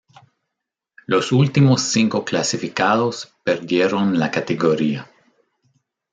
Los últimos cinco clasificados perdieron la categoría.